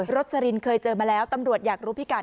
รดจะรินเคยเจอมาแล้วตำรวจอยากรู้พี่กัด